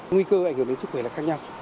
nguy cơ ảnh hưởng đến sức khỏe là khác nhau